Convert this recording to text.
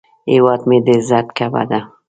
هیواد مې د عزت کعبه ده